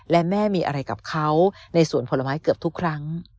และแม่มีอะไรกับเขาในสวนผลไม้เกือบทุกครั้ง